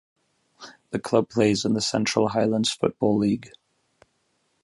The club plays in the Central Highlands Football League.